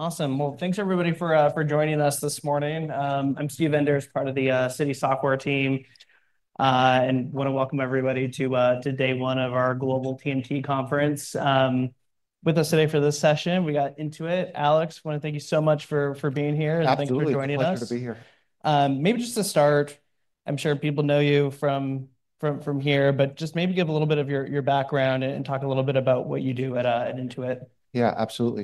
Awesome. Thanks everybody for joining us this morning. I'm Steve Enders, part of the Citi Software team, and I want to welcome everybody to day one of our global TMT Conference. With us today for this session, we got Intuit. Alex, I want to thank you so much for being here. Yeah, thank you. It's good to be here. Maybe just to start, I'm sure people know you from here, but just maybe give a little bit of your background and talk a little bit about what you do at Intuit. Yeah, absolutely.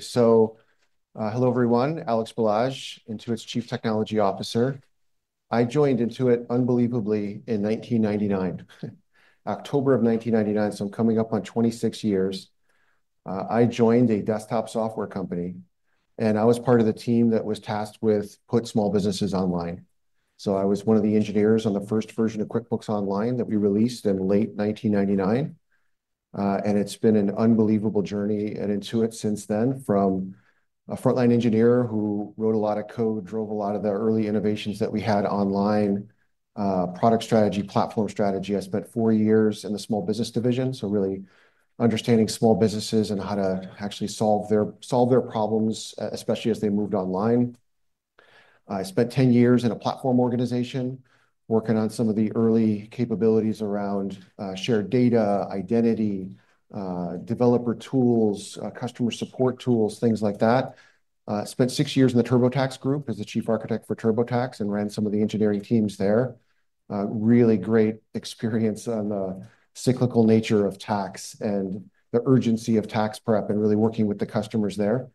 Hello everyone. Alex Balazs, Intuit's Chief Technology Officer. I joined Intuit unbelievably in 1999, October of 1999. I'm coming up on 26 years. I joined a desktop software company, and I was part of the team that was tasked with putting small businesses online. I was one of the engineers on the first version of QuickBooks Online that we released in late 1999. It's been an unbelievable journey at Intuit since then, from a frontline engineer who wrote a lot of code, drove a lot of the early innovations that we had online, product strategy, platform strategy. I spent four years in the Small Business division, really understanding small businesses and how to actually solve their problems, especially as they moved online. I spent 10 years in a platform organization working on some of the early capabilities around shared data, identity, developer tools, customer support tools, things like that. I spent six years in the TurboTax group as the Chief Architect for TurboTax and ran some of the engineering teams there. Really great experience on the cyclical nature of tax and the urgency of tax prep and really working with the customers there.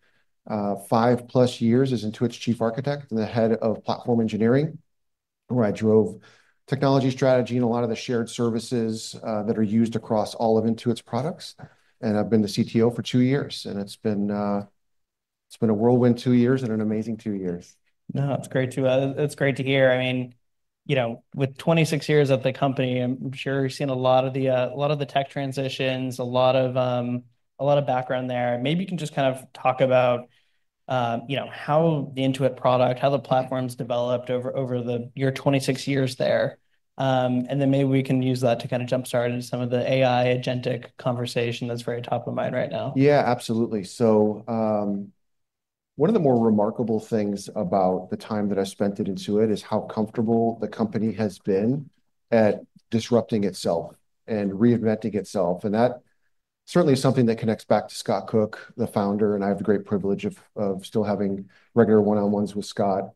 5+ years as Intuit's Chief Architect and the Head of Platform Engineering, where I drove technology strategy and a lot of the shared services that are used across all of Intuit's products. I've been the CTO for two years, and it's been a whirlwind two years and an amazing two years. No, that's great to hear. I mean, with 26 years at the company, I'm sure you've seen a lot of the tech transitions, a lot of background there. Maybe you can just talk about how the Intuit product, how the platform's developed over your 26 years there. Maybe we can use that to jump start into some of the AI agentic conversation that's very top of mind right now. Yeah, absolutely. One of the more remarkable things about the time that I spent at Intuit is how comfortable the company has been at disrupting itself and reinventing itself. That certainly is something that connects back to Scott Cook, the founder, and I have the great privilege of still having regular one-on-ones with Scott.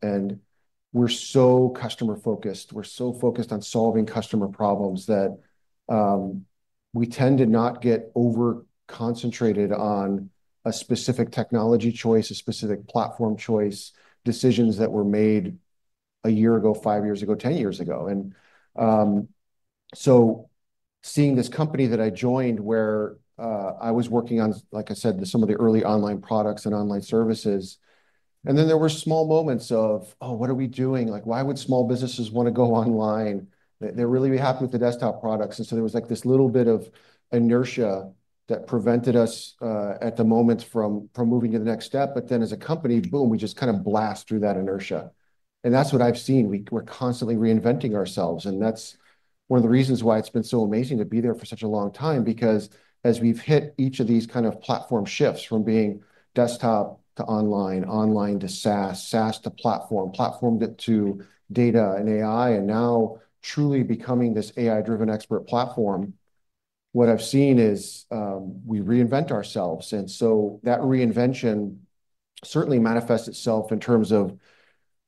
We're so customer-focused. We're so focused on solving customer problems that we tend to not get over-concentrated on a specific technology choice, a specific platform choice, decisions that were made a year ago, five years ago, 10 years ago. Seeing this company that I joined where I was working on, like I said, some of the early online products and online services, there were small moments of, oh, what are we doing? Like, why would Small Businesses want to go online? They're really happy with the desktop products. There was this little bit of inertia that prevented us at the moments from moving to the next step. As a company, boom, we just kind of blast through that inertia. That's what I've seen. We're constantly reinventing ourselves. That's one of the reasons why it's been so amazing to be there for such a long time, because as we've hit each of these kind of platform shifts from being desktop to online, online to SaaS, SaaS to platform, platform to data and AI, and now truly becoming this AI-driven expert platform, what I've seen is we reinvent ourselves. That reinvention certainly manifests itself in terms of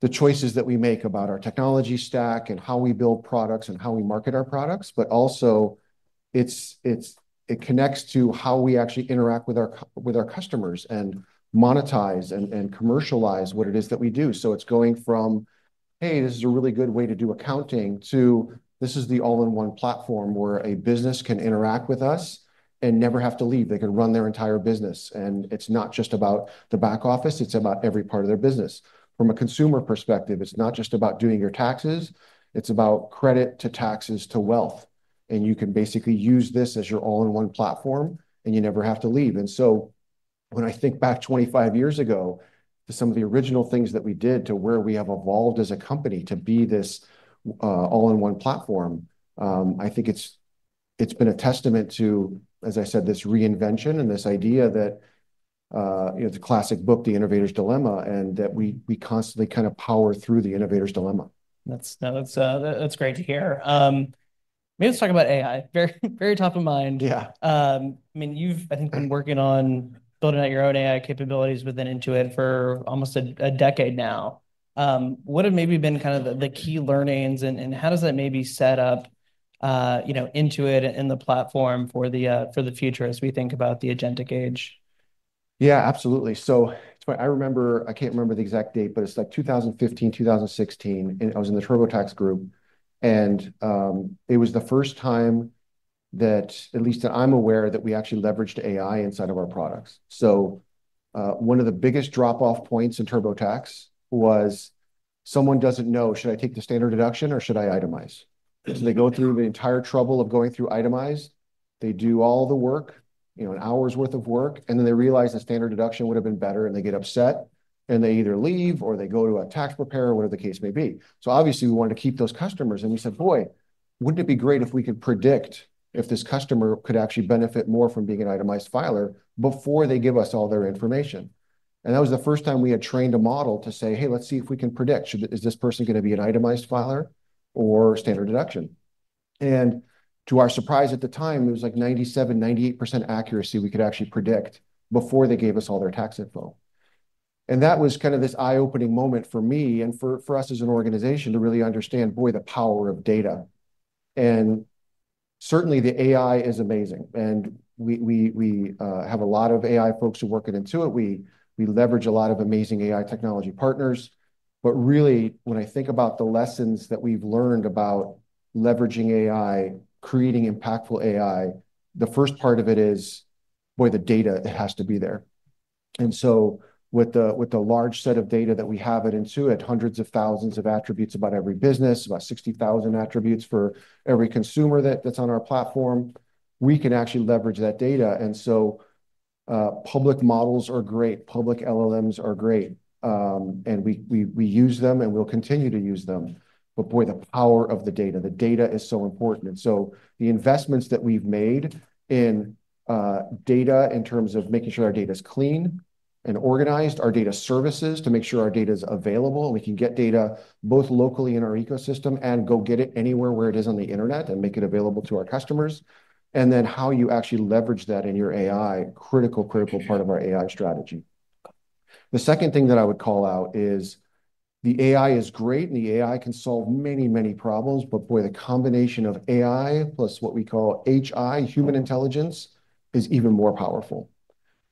the choices that we make about our technology stack and how we build products and how we market our products. It also connects to how we actually interact with our customers and monetize and commercialize what it is that we do. It's going from, hey, this is a really good way to do accounting to this is the all-in-one platform where a business can interact with us and never have to leave. They can run their entire business. It's not just about the back office. It's about every part of their business. From a consumer perspective, it's not just about doing your taxes. It's about credit to taxes to wealth. You can basically use this as your all-in-one platform and you never have to leave. When I think back 25 years ago to some of the original things that we did to where we have evolved as a company to be this all-in-one platform, I think it's been a testament to, as I said, this reinvention and this idea that, you know, the classic book, The Innovator's Dilemma, and that we constantly kind of power through The Innovator's Dilemma. That's great to hear. Maybe let's talk about AI. Very top of mind. Yeah. I mean, you've, I think, been working on building out your own AI capabilities within Intuit for almost a decade now. What have maybe been kind of the key learnings, and how does that maybe set up, you know, Intuit and the platform for the future as we think about the agentic age? Yeah, absolutely. I remember, I can't remember the exact date, but it's like 2015, 2016, and I was in the TurboTax group. It was the first time that, at least that I'm aware, that we actually leveraged AI inside of our products. One of the biggest drop-off points in TurboTax was someone doesn't know, should I take the standard deduction or should I itemize? They go through the entire trouble of going through itemize. They do all the work, you know, an hour's worth of work, and then they realize a standard deduction would have been better, and they get upset, and they either leave or they go to a tax preparer, or whatever the case may be. Obviously, we wanted to keep those customers. We said, boy, wouldn't it be great if we could predict if this customer could actually benefit more from being an itemized filer before they give us all their information? That was the first time we had trained a model to say, hey, let's see if we can predict, is this person going to be an itemized filer or standard deduction? To our surprise at the time, it was like 97%, 98% accuracy we could actually predict before they gave us all their tax info. That was kind of this eye-opening moment for me and for us as an organization to really understand, boy, the power of data. Certainly, the AI is amazing. We have a lot of AI folks who work at Intuit. We leverage a lot of amazing AI technology partners. Really, when I think about the lessons that we've learned about leveraging AI, creating impactful AI, the first part of it is, boy, the data has to be there. With the large set of data that we have at Intuit, hundreds of thousands of attributes about every business, about 60,000 attributes for every consumer that's on our platform, we can actually leverage that data. Public models are great. Public LLMs are great. We use them, and we'll continue to use them. The power of the data, the data is so important. The investments that we've made in data in terms of making sure our data is clean and organized, our data services to make sure our data is available, and we can get data both locally in our ecosystem and go get it anywhere where it is on the internet and make it available to our customers, and then how you actually leverage that in your AI, critical, critical part of our AI strategy. The second thing that I would call out is the AI is great, and the AI can solve many, many problems. The combination of AI plus what we call HI, human intelligence, is even more powerful.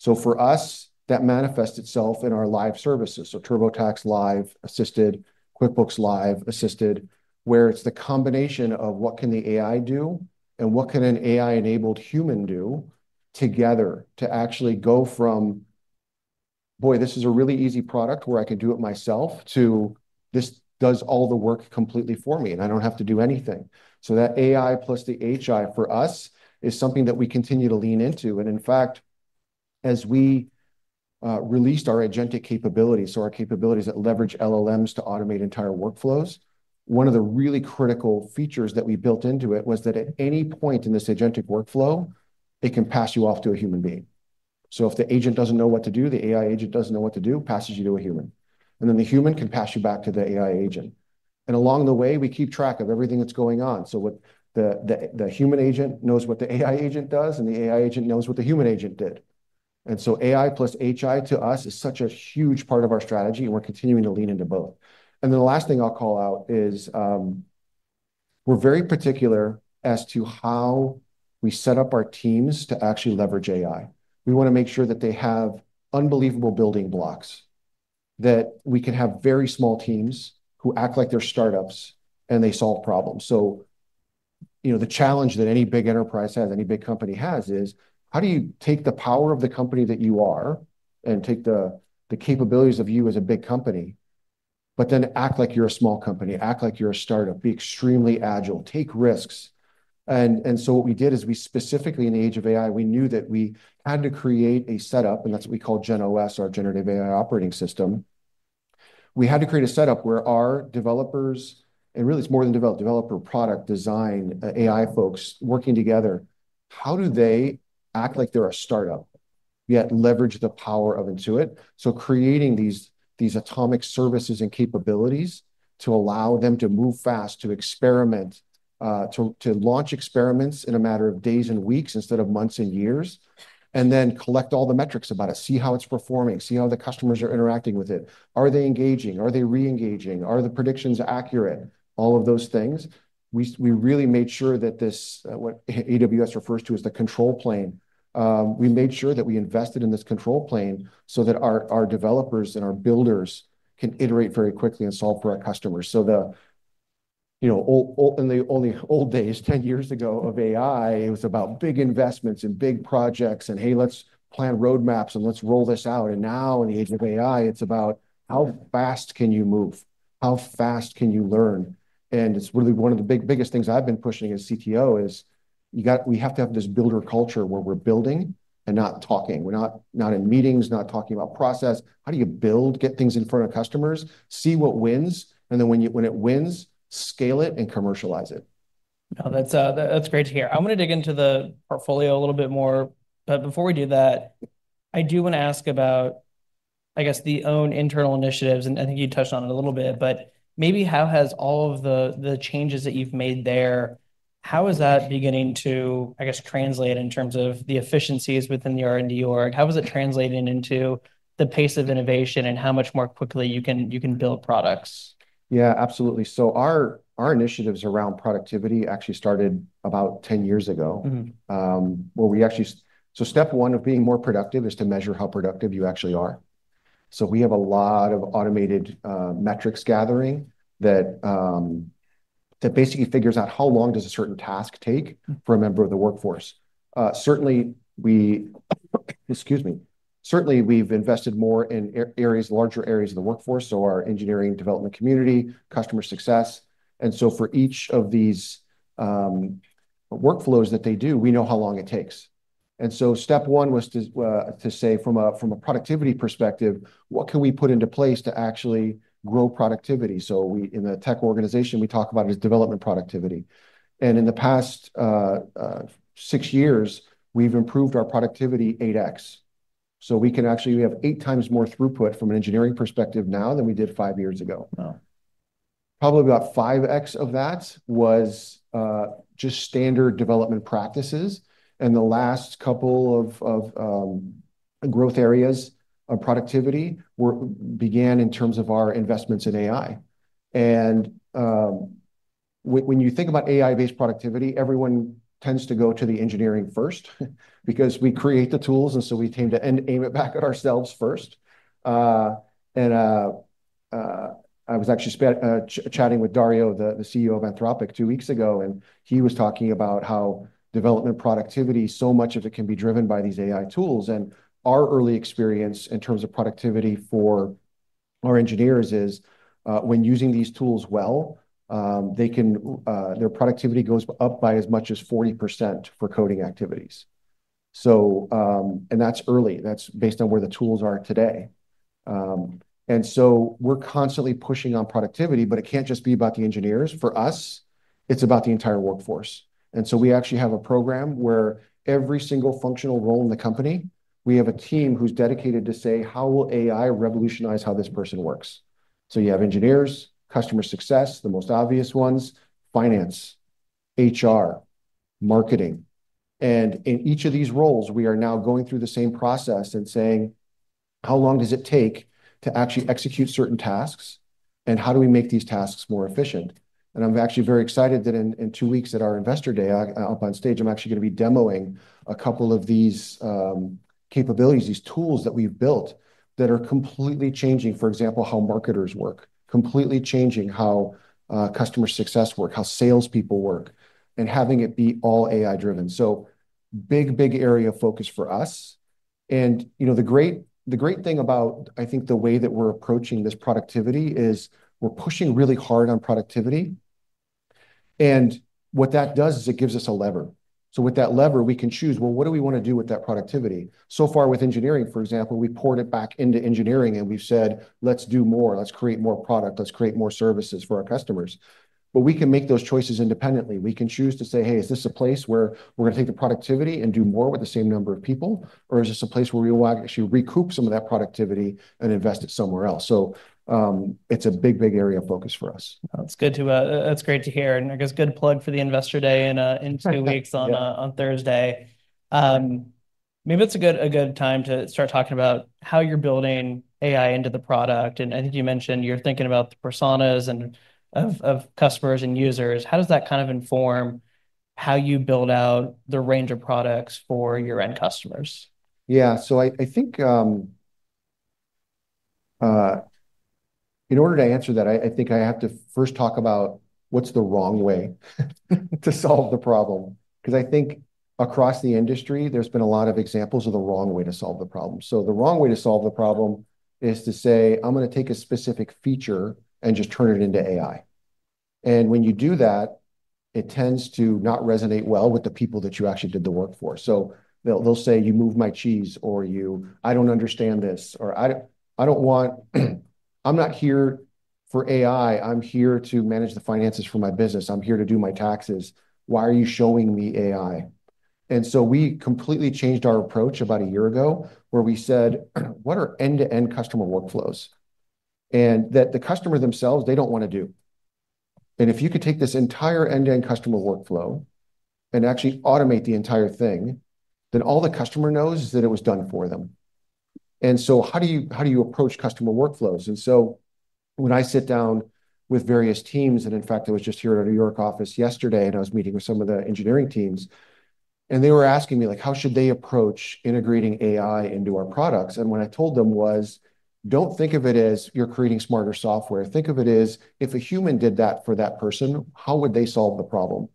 For us, that manifests itself in our live services, TurboTax Live, Assisted, QuickBooks Live, Assisted, where it's the combination of what the AI can do and what an AI-enabled human can do together to actually go from, this is a really easy product where I could do it myself, to this does all the work completely for me, and I don't have to do anything. That AI plus the HI for us is something that we continue to lean into. In fact, as we released our agentic capability, our capabilities that leverage LLMs to automate entire workflows, one of the really critical features that we built into it was that at any point in this agentic workflow, it can pass you off to a human being. If the agent doesn't know what to do, the AI agent doesn't know what to do, it passes you to a human. The human can pass you back to the AI agent. Along the way, we keep track of everything that's going on, so the human agent knows what the AI agent does, and the AI agent knows what the human agent did. AI plus HI to us is such a huge part of our strategy, and we're continuing to lean into both. The last thing I'll call out is we're very particular as to how we set up our teams to actually leverage AI. We want to make sure that they have unbelievable building blocks, that we can have very small teams who act like they're startups and they solve problems. The challenge that any big enterprise has, any big company has, is how do you take the power of the company that you are and take the capabilities of you as a big company, but then act like you're a small company, act like you're a startup, be extremely agile, take risks. What we did is we specifically, in the age of AI, knew that we had to create a setup, and that's what we call GenOS, our Generative AI Operating System. We had to create a setup where our developers, and really it's more than developers, developer product design, AI folks working together, how do they act like they're a startup yet leverage the power of Intuit? Creating these atomic services and capabilities allows them to move fast, to experiment, to launch experiments in a matter of days and weeks instead of months and years, and then collect all the metrics about it, see how it's performing, see how the customers are interacting with it. Are they engaging? Are they re-engaging? Are the predictions accurate? All of those things. We really made sure that this, what AWS refers to as the control plane, we made sure that we invested in this control plane so that our developers and our builders can iterate very quickly and solve for our customers. In the old days, 10 years ago of AI, it was about big investments and big projects and, hey, let's plan roadmaps and let's roll this out. Now in the age of AI, it's about how fast can you move? How fast can you learn? It's really one of the biggest things I've been pushing as CTO is we have to have this builder culture where we're building and not talking. We're not in meetings, not talking about process. How do you build, get things in front of customers, see what wins, and then when it wins, scale it and commercialize it. That's great to hear. I want to dig into the portfolio a little bit more. Before we do that, I do want to ask about, I guess, the own internal initiatives. I think you touched on it a little bit, but maybe how has all of the changes that you've made there, how is that beginning to translate in terms of the efficiencies within the R&D org? How is it translating into the pace of innovation and how much more quickly you can build products? Yeah, absolutely. Our initiatives around productivity actually started about 10 years ago, where we actually, step one of being more productive is to measure how productive you actually are. We have a lot of automated metrics gathering that basically figures out how long a certain task takes for a member of the workforce. Certainly, we've invested more in areas, larger areas of the workforce, so our engineering development community, customer success. For each of these workflows that they do, we know how long it takes. Step one was to say from a productivity perspective, what can we put into place to actually grow productivity? In the tech organization, we talk about it as development productivity. In the past six years, we've improved our productivity 8x. We can actually, we have 8x more throughput from an engineering perspective now than we did five years ago. Wow. Probably about 5x of that was just standard development practices. The last couple of growth areas of productivity began in terms of our investments in AI. When you think about AI-based productivity, everyone tends to go to the engineering first because we create the tools, and we tend to aim it back at ourselves first. I was actually chatting with Dario, the CEO of Anthropic, two weeks ago, and he was talking about how development productivity, so much of it can be driven by these AI tools. Our early experience in terms of productivity for our engineers is when using these tools well, their productivity goes up by as much as 40% for coding activities. That is early. That is based on where the tools are today. We are constantly pushing on productivity, but it cannot just be about the engineers. For us, it is about the entire workforce. We actually have a program where every single functional role in the company, we have a team who is dedicated to say, how will AI revolutionize how this person works? You have engineers, customer success, the most obvious ones, finance, HR, marketing. In each of these roles, we are now going through the same process and saying, how long does it take to actually execute certain tasks? How do we make these tasks more efficient? I am actually very excited that in two weeks at our Investor Day, up on stage, I am actually going to be demoing a couple of these capabilities, these tools that we have built that are completely changing, for example, how marketers work, completely changing how customer success works, how salespeople work, and having it be all AI-driven. This is a big, big area of focus for us. The great thing about, I think, the way that we are approaching this productivity is we are pushing really hard on productivity. What that does is it gives us a lever. With that lever, we can choose, well, what do we want to do with that productivity? So far, with engineering, for example, we poured it back into engineering and we have said, let us do more, let us create more product, let us create more services for our customers. We can make those choices independently. We can choose to say, hey, is this a place where we are going to take the productivity and do more with the same number of people, or is this a place where we will actually recoup some of that productivity and invest it somewhere else? It is a big, big area of focus for us. That's good to hear. A good plug for the Investor Day in two weeks on Thursday. Maybe it's a good time to start talking about how you're building AI into the product. I think you mentioned you're thinking about the personas of customers and users. How does that kind of inform how you build out the range of products for your end customers? Yeah, I think in order to answer that, I have to first talk about what's the wrong way to solve the problem. Across the industry, there have been a lot of examples of the wrong way to solve the problem. The wrong way to solve the problem is to say, I'm going to take a specific feature and just turn it into AI. When you do that, it tends to not resonate well with the people that you actually did the work for. They'll say, you move my cheese, or I don't understand this, or I don't want, I'm not here for AI. I'm here to manage the finances for my business. I'm here to do my taxes. Why are you showing me AI? We completely changed our approach about a year ago where we said, what are end-to-end customer workflows that the customer themselves, they don't want to do? If you could take this entire end-to-end customer workflow and actually automate the entire thing, then all the customer knows is that it was done for them. How do you approach customer workflows? When I sit down with various teams, in fact, I was just here at our New York office yesterday, and I was meeting with some of the engineering teams, they were asking me, like, how should they approach integrating AI into our products? What I told them was, don't think of it as you're creating smarter software. Think of it as if a human did that for that person, how would they solve the problem?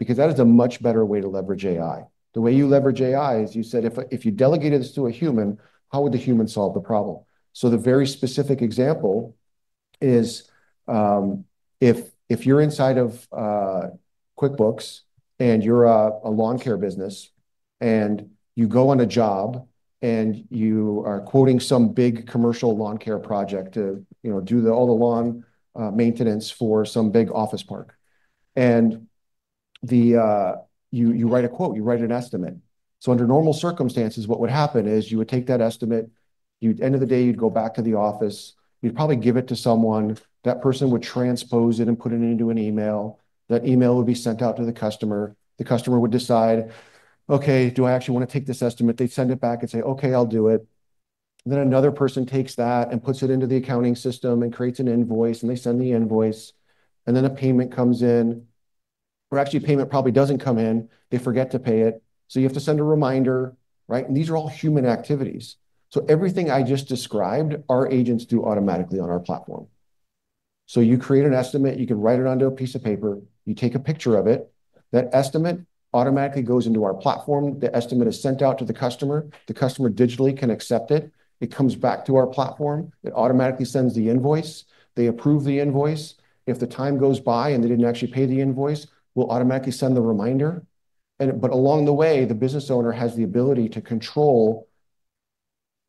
That is a much better way to leverage AI. The way you leverage AI is you say, if you delegated this to a human, how would the human solve the problem? A very specific example is if you're inside of QuickBooks and you're a lawn care business and you go on a job and you are quoting some big commercial lawn care project to do all the lawn maintenance for some big office park. You write a quote, you write an estimate. Under normal circumstances, what would happen is you would take that estimate, end of the day, you'd go back to the office, you'd probably give it to someone, that person would transpose it and put it into an email, that email would be sent out to the customer, the customer would decide, okay, do I actually want to take this estimate? They send it back and say, okay, I'll do it. Another person takes that and puts it into the accounting system and creates an invoice and they send the invoice and then a payment comes in, or actually a payment probably doesn't come in, they forget to pay it. You have to send a reminder, right? These are all human activities. Everything I just described, our agents do automatically on our platform. You create an estimate, you can write it onto a piece of paper, you take a picture of it, that estimate automatically goes into our platform, the estimate is sent out to the customer, the customer digitally can accept it, it comes back to our platform, it automatically sends the invoice, they approve the invoice, if the time goes by and they didn't actually pay the invoice, we'll automatically send the reminder. Along the way, the business owner has the ability to control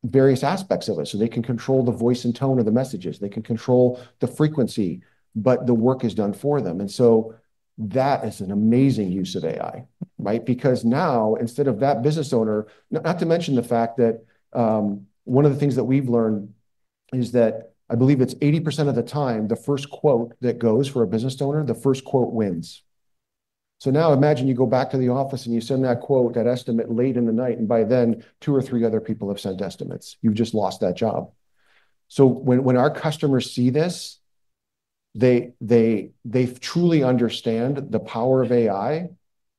various aspects of it. They can control the voice and tone of the messages, they can control the frequency, but the work is done for them. That is an amazing use of AI, right? Because now, instead of that business owner, not to mention the fact that one of the things that we've learned is that I believe it's 80% of the time, the first quote that goes for a business owner, the first quote wins. Now imagine you go back to the office and you send that quote, that estimate late in the night, and by then, two or three other people have sent estimates. You've just lost that job. When our customers see this, they truly understand the power of AI,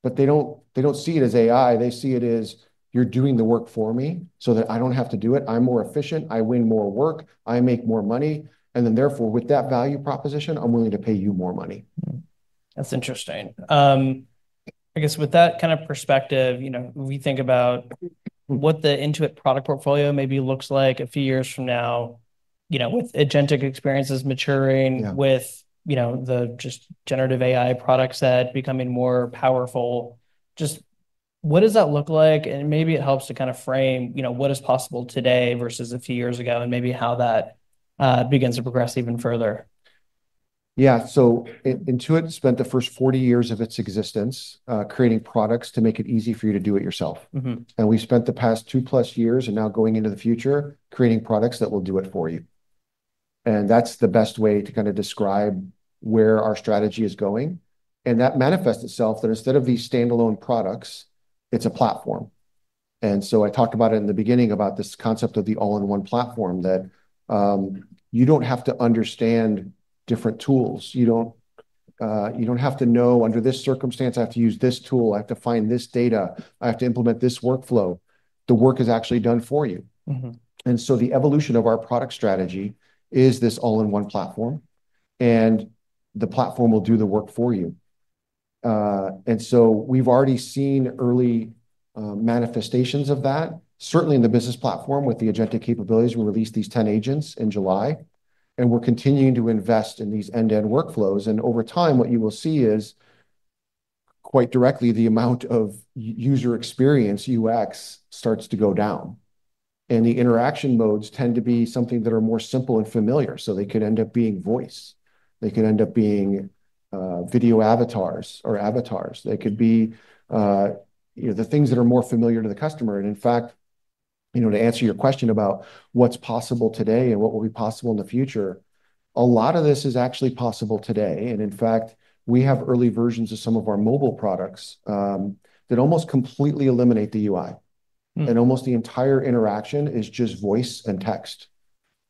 but they don't see it as AI. They see it as you're doing the work for me so that I don't have to do it. I'm more efficient, I win more work, I make more money, and therefore, with that value proposition, I'm willing to pay you more money. That's interesting. I guess with that kind of perspective, we think about what the Intuit product portfolio maybe looks like a few years from now, with agentic experiences maturing, with the generative AI product set becoming more powerful. What does that look like? Maybe it helps to frame what is possible today versus a few years ago and how that begins to progress even further. Yeah, so Intuit spent the first 40 years of its existence creating products to make it easy for you to do it yourself. We have spent the past two plus years and now going into the future creating products that will do it for you. That is the best way to kind of describe where our strategy is going. That manifests itself that instead of these standalone products, it is a platform. I talked about it in the beginning, about this concept of the all-in-one platform that you do not have to understand different tools. You do not have to know, under this circumstance, I have to use this tool, I have to find this data, I have to implement this workflow. The work is actually done for you. The evolution of our product strategy is this all-in-one platform, and the platform will do the work for you. We have already seen early manifestations of that, certainly in the business platform with the agentic capabilities. We released these 10 agents in July, and we are continuing to invest in these end-to-end workflows. Over time, what you will see is quite directly, the amount of user experience, UX, starts to go down. The interaction modes tend to be something that are more simple and familiar. They could end up being voice. They could end up being video avatars or avatars. They could be, you know, the things that are more familiar to the customer. In fact, to answer your question about what is possible today and what will be possible in the future, a lot of this is actually possible today. We have early versions of some of our mobile products that almost completely eliminate the UI. Almost the entire interaction is just voice and text.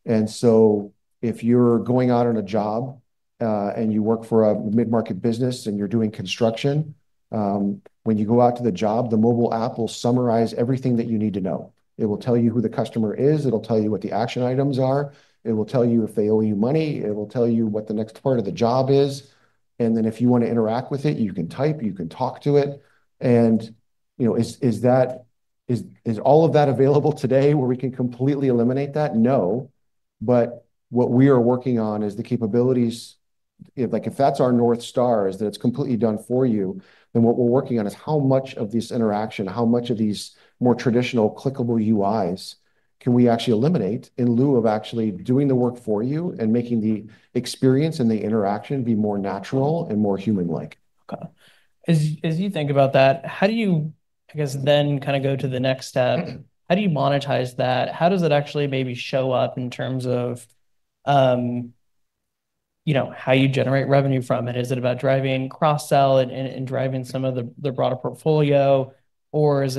If you are going out on a job and you work for a mid-market business and you are doing construction, when you go out to the job, the mobile app will summarize everything that you need to know. It will tell you who the customer is. It will tell you what the action items are. It will tell you if they owe you money. It will tell you what the next part of the job is. If you want to interact with it, you can type, you can talk to it. Is all of that available today where we can completely eliminate that? No, but what we are working on is the capabilities, like if that is our North Star, that it is completely done for you, then what we are working on is how much of this interaction, how much of these more traditional clickable UIs can we actually eliminate in lieu of actually doing the work for you and making the experience and the interaction be more natural and more human-like? Okay. As you think about that, how do you, I guess, then kind of go to the next step? How do you monetize that? How does it actually maybe show up in terms of how you generate revenue from it? Is it about driving cross-sell and driving some of the broader portfolio? Is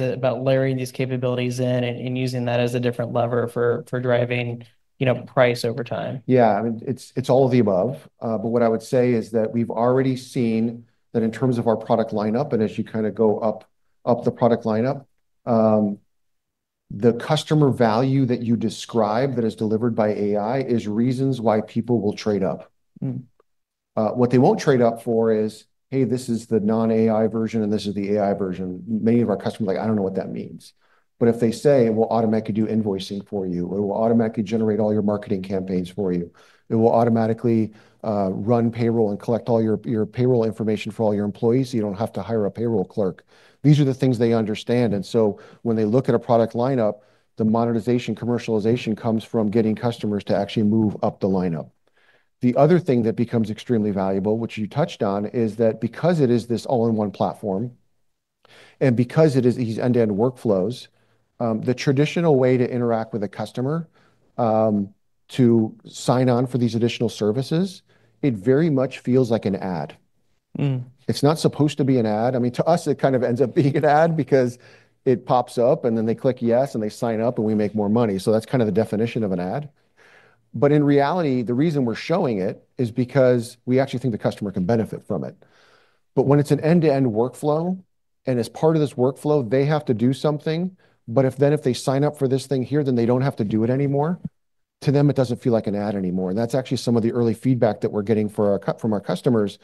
it about layering these capabilities in and using that as a different lever for driving price over time? Yeah, I mean, it's all of the above. What I would say is that we've already seen that in terms of our product lineup, and as you kind of go up the product lineup, the customer value that you describe that is delivered by AI is reasons why people will trade up. What they won't trade up for is, hey, this is the non-AI version and this is the AI version. Many of our customers are like, I don't know what that means. If they say, we'll automatically do invoicing for you, it will automatically generate all your marketing campaigns for you, it will automatically run payroll and collect all your payroll information for all your employees so you don't have to hire a payroll clerk. These are the things they understand. When they look at a product lineup, the monetization, commercialization comes from getting customers to actually move up the lineup. The other thing that becomes extremely valuable, which you touched on, is that because it is this all-in-one platform and because it is these end-to-end workflows, the traditional way to interact with a customer to sign on for these additional services very much feels like an ad. It's not supposed to be an ad. I mean, to us, it kind of ends up being an ad because it pops up and then they click yes and they sign up and we make more money. That's kind of the definition of an ad. In reality, the reason we're showing it is because we actually think the customer can benefit from it. When it's an end-to-end workflow, and as part of this workflow, they have to do something, but then if they sign up for this thing here, then they don't have to do it anymore, to them it doesn't feel like an ad anymore. That's actually some of the early feedback that we're getting from our customers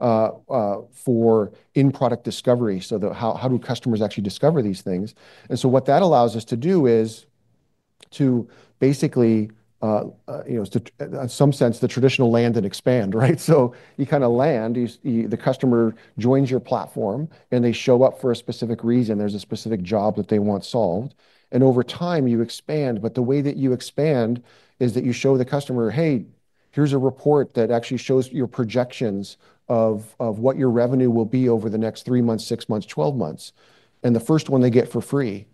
for in-product discovery. How do customers actually discover these things? What that allows us to do is to basically, you know, in some sense, the traditional land and expand, right? You kind of land, the customer joins your platform and they show up for a specific reason. There's a specific job that they want solved. Over time, you expand. The way that you expand is that you show the customer, hey, here's a report that actually shows your projections of what your revenue will be over the next three months, six months, 12 months. The first one they get for free.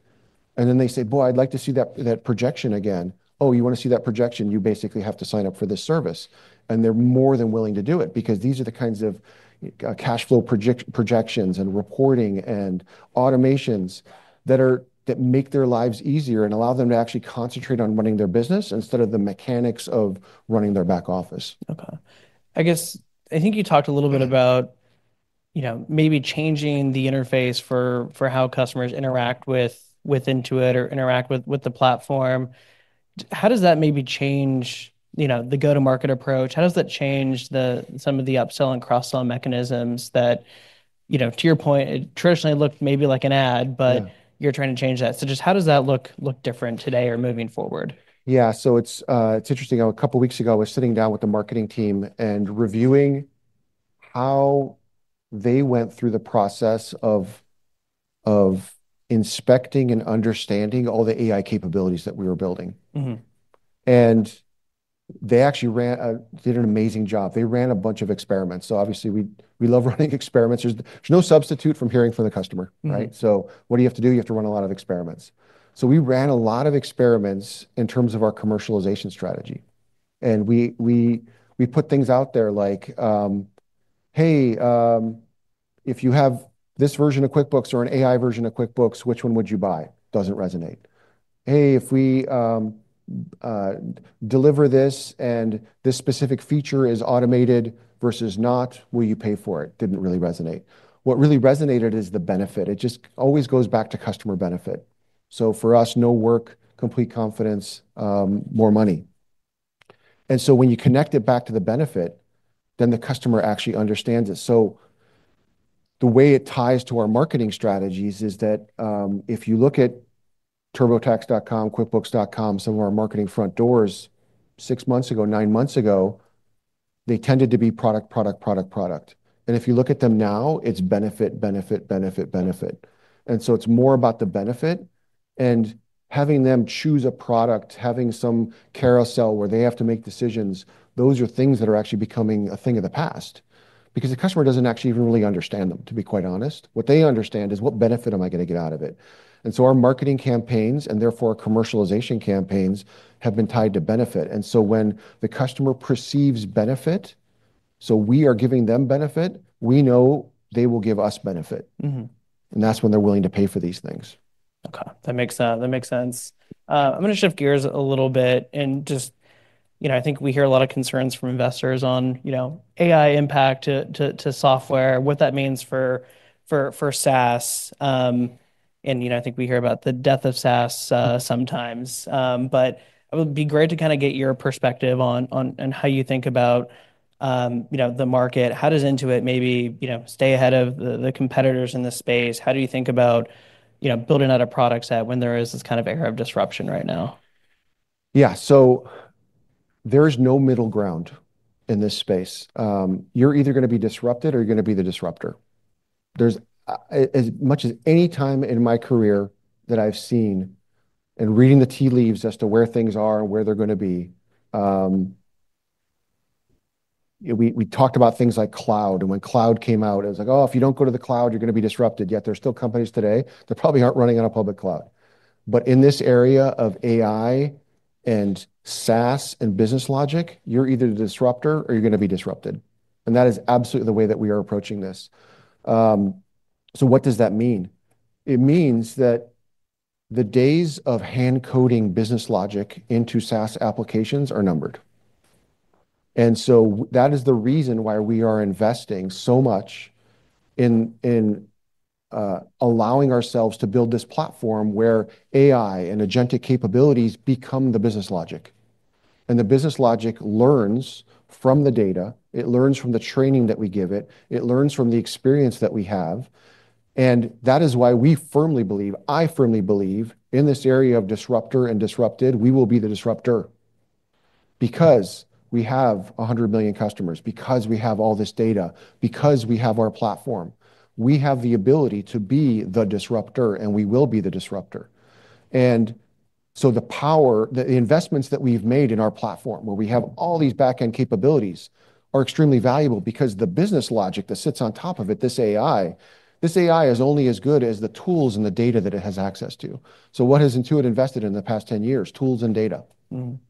Then they say, boy, I'd like to see that projection again. Oh, you want to see that projection? You basically have to sign up for this service. They’re more than willing to do it because these are the kinds of cash flow projections and reporting and automations that make their lives easier and allow them to actually concentrate on running their business instead of the mechanics of running their back office. Okay. I think you talked a little bit about maybe changing the interface for how customers interact with Intuit or interact with the platform. How does that maybe change the go-to-market approach? How does that change some of the upsell and cross-sell mechanisms that, to your point, it traditionally looked maybe like an ad, but you're trying to change that. How does that look different today or moving forward? Yeah, so it's interesting. A couple of weeks ago, I was sitting down with the marketing team and reviewing how they went through the process of inspecting and understanding all the AI capabilities that we were building. They actually did an amazing job. They ran a bunch of experiments. Obviously, we love running experiments. There's no substitute for hearing from the customer, right? What do you have to do? You have to run a lot of experiments. We ran a lot of experiments in terms of our commercialization strategy. We put things out there like, hey, if you have this version of QuickBooks or an AI version of QuickBooks, which one would you buy? Doesn't resonate. Hey, if we deliver this and this specific feature is automated versus not, will you pay for it? Didn't really resonate. What really resonated is the benefit. It just always goes back to customer benefit. For us, no work, complete confidence, more money. When you connect it back to the benefit, then the customer actually understands it. The way it ties to our marketing strategies is that if you look at turbotax.com, quickbooks.com, some of our marketing front doors, six months ago, nine months ago, they tended to be product, product, product, product. If you look at them now, it's benefit, benefit, benefit, benefit. It's more about the benefit and having them choose a product, having some carousel where they have to make decisions. Those are things that are actually becoming a thing of the past because the customer doesn't actually even really understand them, to be quite honest. What they understand is what benefit am I going to get out of it? Our marketing campaigns and therefore our commercialization campaigns have been tied to benefit. When the customer perceives benefit, so we are giving them benefit, we know they will give us benefit. That's when they're willing to pay for these things. Okay. That makes sense. I'm going to shift gears a little bit and just, you know, I think we hear a lot of concerns from investors on, you know, AI impact to software, what that means for SaaS. I think we hear about the death of SaaS sometimes. It would be great to kind of get your perspective on how you think about, you know, the market. How does Intuit maybe, you know, stay ahead of the competitors in this space? How do you think about, you know, building out a product set when there is this kind of era of disruption right now? Yeah, there is no middle ground in this space. You're either going to be disrupted or you're going to be the disruptor. There's as much as any time in my career that I've seen and reading the tea leaves as to where things are and where they're going to be. We talked about things like cloud. When cloud came out, it was like, oh, if you don't go to the cloud, you're going to be disrupted. Yet there are still companies today that probably aren't running on a public cloud. In this area of AI and SaaS and business logic, you're either the disruptor or you're going to be disrupted. That is absolutely the way that we are approaching this. What does that mean? It means that the days of hand-coding business logic into SaaS applications are numbered. That is the reason why we are investing so much in allowing ourselves to build this platform where AI and agentic capabilities become the business logic. The business logic learns from the data. It learns from the training that we give it. It learns from the experience that we have. That is why we firmly believe, I firmly believe, in this area of disruptor and disrupted, we will be the disruptor. Because we have 100 million customers, because we have all this data, because we have our platform, we have the ability to be the disruptor, and we will be the disruptor. The power, the investments that we've made in our platform, where we have all these backend capabilities, are extremely valuable because the business logic that sits on top of it, this AI, this AI is only as good as the tools and the data that it has access to. What has Intuit invested in the past 10 years? Tools and data.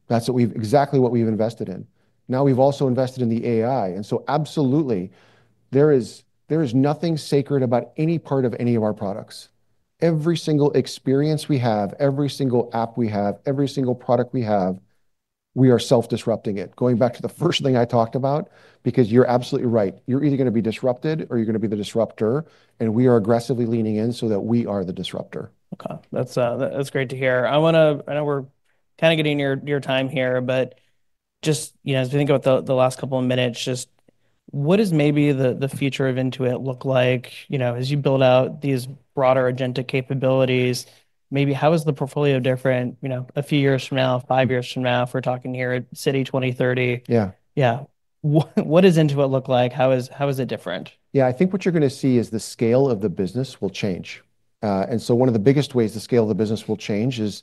That's exactly what we've invested in. Now we've also invested in the AI. Absolutely, there is nothing sacred about any part of any of our products. Every single experience we have, every single app we have, every single product we have, we are self-disrupting it. Going back to the first thing I talked about, because you're absolutely right. You're either going to be disrupted or you're going to be the disruptor, and we are aggressively leaning in so that we are the disruptor. Okay. That's great to hear. I know we're kind of getting near time here, but just, as we think about the last couple of minutes, what does maybe the future of Intuit look like as you build out these broader agentic capabilities? Maybe how is the portfolio different a few years from now, five years from now, if we're talking here at Citi 2030? Yeah. Yeah. What does Intuit look like? How is it different? Yeah, I think what you're going to see is the scale of the business will change. One of the biggest ways the scale of the business will change is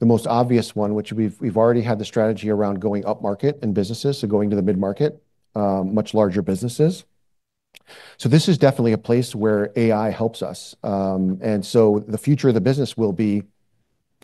the most obvious one, which we've already had the strategy around going up market in businesses, going to the mid-market, much larger businesses. This is definitely a place where AI helps us. The future of the business will be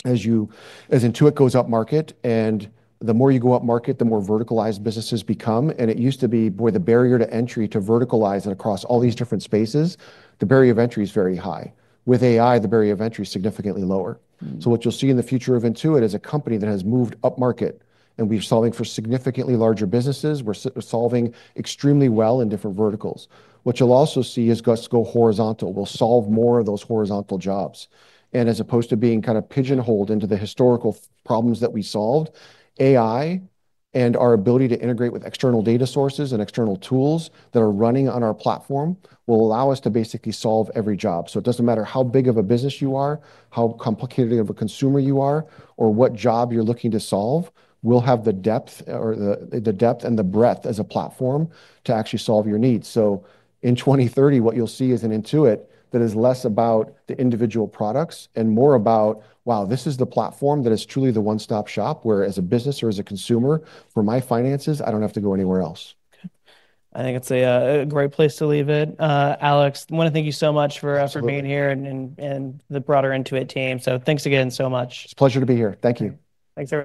as Intuit goes up market, and the more you go up market, the more verticalized businesses become. It used to be, boy, the barrier to entry to verticalize and across all these different spaces, the barrier of entry is very high. With AI, the barrier of entry is significantly lower. What you'll see in the future of Intuit is a company that has moved up market, and we're solving for significantly larger businesses. We're solving extremely well in different verticals. You'll also see us go horizontal. We'll solve more of those horizontal jobs. As opposed to being kind of pigeonholed into the historical problems that we solved, AI and our ability to integrate with external data sources and external tools that are running on our platform will allow us to basically solve every job. It doesn't matter how big of a business you are, how complicated of a consumer you are, or what job you're looking to solve, we'll have the depth and the breadth as a platform to actually solve your needs. In 2030, what you'll see is an Intuit that is less about the individual products and more about, wow, this is the platform that is truly the one-stop shop where as a business or as a consumer, for my finances, I don't have to go anywhere else. Okay. I think it's a great place to leave it. Alex, I want to thank you so much for being here and the broader Intuit team. Thanks again so much. It's a pleasure to be here. Thank you. Thanks, Alex.